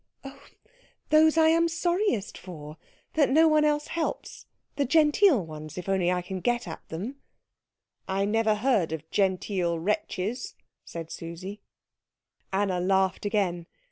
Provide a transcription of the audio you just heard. "Oh, those I am sorriest for that no one else helps the genteel ones, if I can only get at them." "I never heard of genteel wretches," said Susie. Anna laughed again.